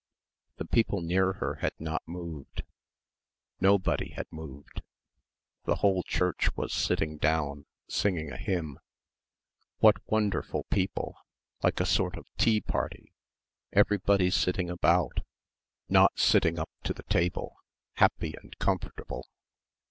The people near her had not moved. Nobody had moved. The whole church was sitting down, singing a hymn. What wonderful people.... Like a sort of tea party ... everybody sitting about not sitting up to the table ... happy and comfortable.